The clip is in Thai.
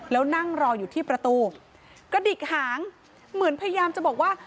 แล้วนั่งรออยู่ที่ประตูกระดิกหางเหมือนพยายามจะบอกว่า